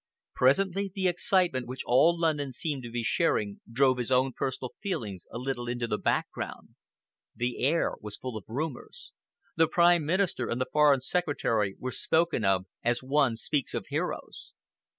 Presently the excitement which all London seemed to be sharing drove his own personal feelings a little into the background. The air was full of rumors. The Prime Minister and the Foreign Secretary were spoken of as one speaks of heroes.